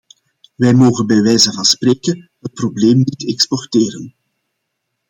Wij mogen bij wijze van spreken het probleem niet exporteren.